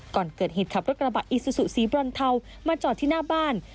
ก่อนเกิดเหตุขับรถกระบะอิซูซูสีบรอนเทามาจอดที่หน้าบ้าน